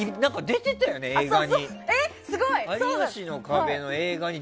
出てたよね、映画に。